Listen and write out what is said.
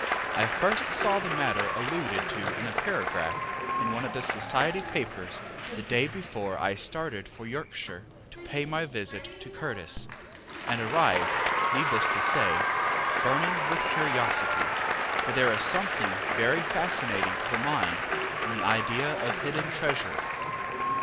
I first saw the matter alluded to in a paragraph in one of the society papers the day before I started for Yorkshire to pay my visit to Curtis, and arrived, needless to say, burning with curiosity; for there is something very fascinating to the mind in the idea of hidden treasure.